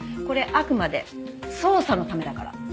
これあくまで捜査のためだから。